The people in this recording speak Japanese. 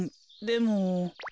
でも？